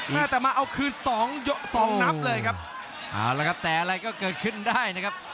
มาแต่มาเอาคืนสองยกสองนับเลยครับเอาละครับแต่อะไรก็เกิดขึ้นได้นะครับ